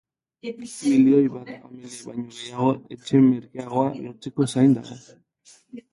Milioi bat familia baino gehiago etxe merkeagoa lortzeko zain dago.